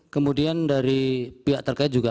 kemudian dari pihak terkait juga